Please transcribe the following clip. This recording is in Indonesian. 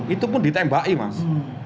itu pun ditembaki mas